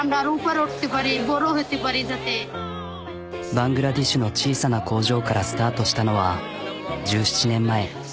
バングラデシュの小さな工場からスタートしたのは１７年前。